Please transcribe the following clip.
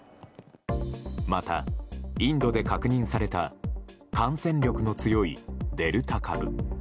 また、インドで確認された感染力の強いデルタ株。